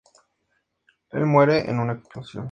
Él muere en una explosión.